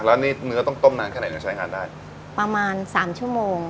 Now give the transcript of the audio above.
แล้วนี่เนื้อต้องต้มนานแค่ไหนเนี่ยใช้งานได้ประมาณสามชั่วโมง